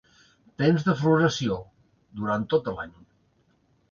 Temps de floració: durant tot l'any.